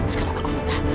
sekarang aku minta